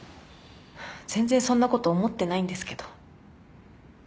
全然そんなこと思ってないんですけど。